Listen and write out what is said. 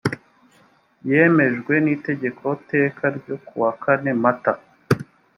yemejwe n itegeko teka ryo kuwa kane mata